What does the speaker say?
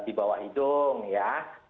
di bawah hidung ya